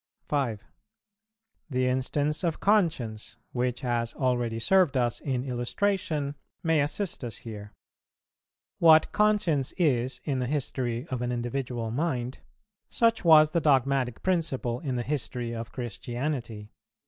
5. The instance of Conscience, which has already served us in illustration, may assist us here. What Conscience is in the history of an individual mind, such was the dogmatic principle in the history of Christianity.